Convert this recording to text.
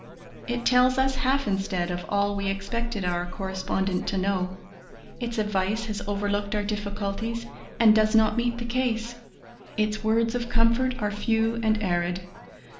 It tells us half instead of all we expected our correspondent to know, its advice has overlooked our difficulties and does not meet the case, its words of comfort are few and arid.